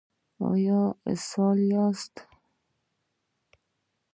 ایا اسهال یاست؟